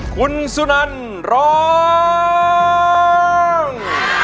คุณสุนันร้อง